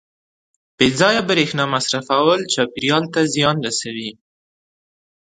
• بې ځایه برېښنا مصرفول چاپېریال ته زیان رسوي.